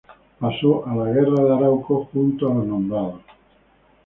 Pasó a la Guerra de Arauco junto a los nombrados.